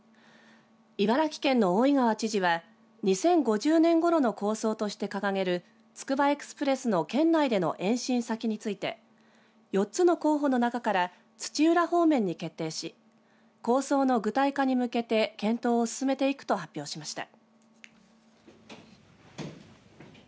茨城県の大井川知事は２０５０年ごろの構想として掲げるつくばエクスプレスの県内での延伸先について４つの候補の中から土浦方面に決定し構想の具体化に向けて検討を進めていくと発表しました。